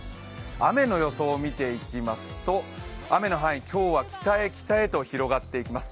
雨の予想を見ていきますと雨の範囲、今日は北へ北へ広がっていきます。